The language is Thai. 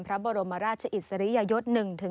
พระบอโรมราชอิตศริยะยศ๑๓